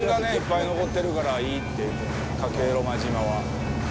自然がいっぱい残ってるからいいって加計呂麻島は。